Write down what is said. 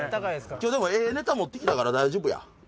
今日ええネタ持って来たから大丈夫や。